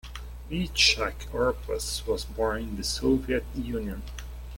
Yitshak Orpaz was born in the Soviet Union.